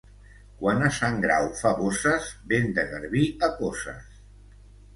Quan a Sant Grau fa bosses, vent de garbí a coces.